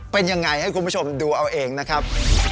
เป็นยังไงให้คุณผู้ชมดูเอาเองนะครับ